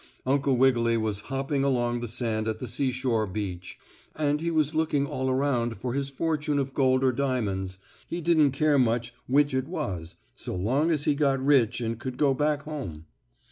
Uncle Wiggily was hopping along the sand at the seashore beach, and he was looking all around for his fortune of gold or diamonds, he didn't care much which it was, so long as he got rich and could go back home.